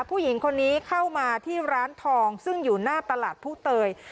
ผู้หญิงคนนี้เข้ามาที่ร้านทองซึ่งอยู่หน้าตลาดผู้เตย